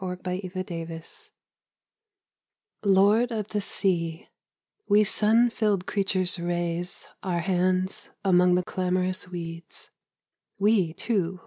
_ NOON AT PÆSTUM Lord of the Sea, we sun filled creatures raise Our hands among the clamorous weeds, we too.